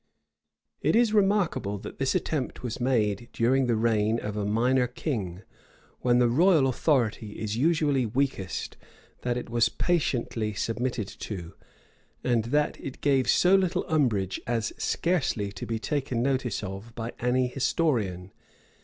It is remarkable, that this attempt was made during the reign of a minor king, when the royal authority is usually weakest that it was patiently submitted to; and that it gave so little umbrage as scarcely to be taken notice of by any historian.